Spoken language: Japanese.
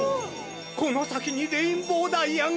このさきにレインボーダイヤが。